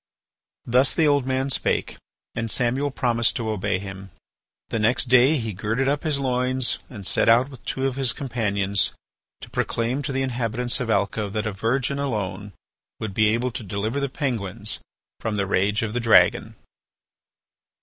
'" Thus the old man spake, and Samuel promised to obey him. The next day he girded up his loins and set out with two of his companions to proclaim to the inhabitants of Alca that a virgin alone would be able to deliver the Penguins from the rage of the dragon.